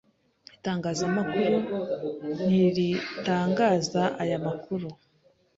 Itangazamakuru ntiritangaza aya makuru.